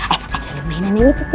eh pakai jari mainan ini cece